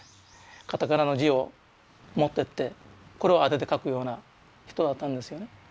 カタカナの字を持ってってこれを当てて書くような人だったんですよね。